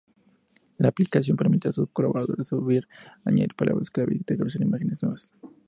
La aplicación permitía a sus colaboradores subir, añadir palabras clave y categorizar imágenes nuevas.